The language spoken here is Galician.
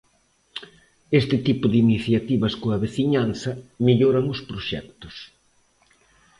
Este tipo de iniciativas coa veciñanza melloran os proxectos.